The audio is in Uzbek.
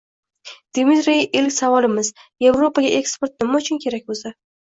— Dmitriy ilk savolimiz: Yevropaga eksport nima uchun kerak o‘zi?